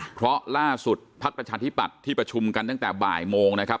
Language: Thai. เพราะล่าสุดภักดิ์ประชาธิปัตย์ที่ประชุมกันตั้งแต่บ่ายโมงนะครับ